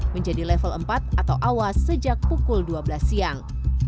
menjadi level empat atau awas sejak pukul dua belas siang